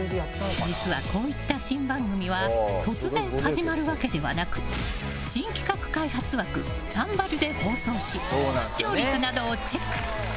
実は、こういった新番組は突然始まるわけではなく新企画開発枠「サンバリュ」で放送し視聴率などをチェック。